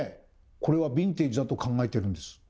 これはヴィンテージだと考えているんです。